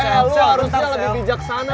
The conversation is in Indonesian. eh lo harusnya lebih bijaksana